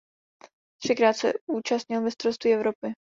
Třikrát se účastnil mistrovství Evropy.